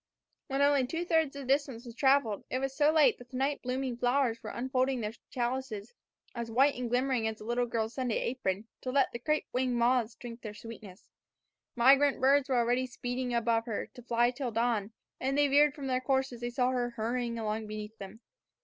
When only two thirds of the distance was traveled it was so late that the night blooming flowers were unfolding their chalices, as white and glimmering as the little girl's Sunday apron, to let the crape winged moths drink their sweetness. Migrant birds were already speeding above her, to fly till dawn, and they veered from their course as they saw her hurrying along beneath them.